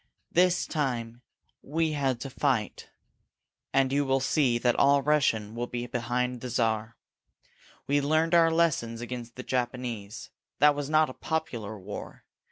This time we had to fight, and you will see that all Russia will be behind the Czar. We learned our lessons against the Japanese. That was not a popular war.